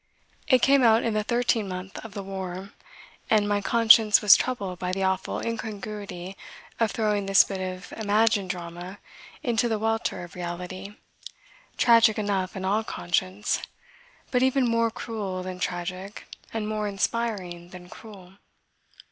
It came out in the thirteenth month of the war, and my conscience was troubled by the awful incongruity of throwing this bit of imagined drama into the welter of reality, tragic enough in all conscience, but even more cruel than tragic and more inspiring than cruel.